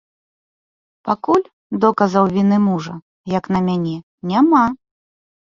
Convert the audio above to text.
Пакуль доказаў віны мужа, як на мяне, няма.